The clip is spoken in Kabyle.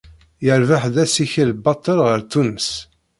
Yerbeḥ-d assikel baṭel ɣer Tunes.